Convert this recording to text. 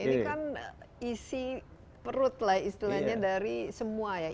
ini kan isi perut lah istilahnya dari semua ya